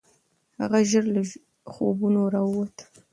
هغه ژر له خوبونو راووت.